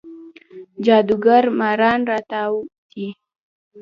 جادوګر ماران راتاو دی